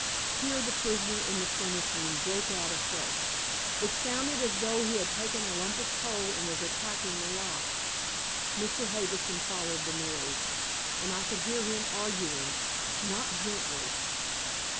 Here the prisoner in the furnace room broke out afresh. It sounded as though he had taken a lump of coal and was attacking the lock. Mr. Harbison followed the noise, and I could hear him arguing, not gently.